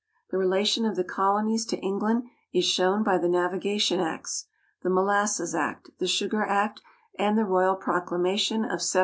The relation of the colonies to England is shown by the Navigation Acts, the Molasses Act, the Sugar Act, and the royal proclamation of 1763.